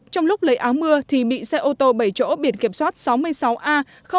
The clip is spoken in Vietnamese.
trong lúc lấy áo mưa thì bị xe ô tô bảy chỗ biển kiểm soát sáu mươi sáu a